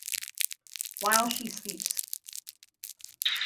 While She Sleeps